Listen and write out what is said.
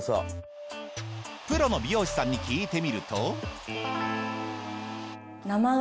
プロの美容師さんに聞いてみると。